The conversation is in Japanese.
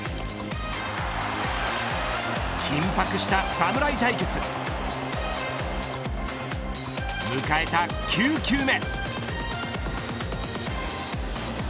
緊迫した侍対決迎えた９球目。